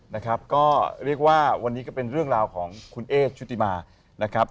นะครับก็เรียกว่าวันนี้ก็เป็นเรื่องราวของคุณเอ๊ชุติมานะครับ